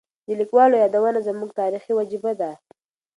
د لیکوالو یادونه زموږ تاریخي وجیبه ده.